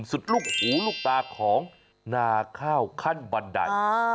ลูกหูลูกตาของนาข้าวขั้นบันได